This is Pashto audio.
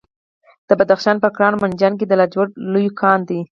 د بدخشان په کران او منجان کې د لاجوردو لوی کان دی.